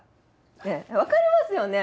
ねえ分かりますよね？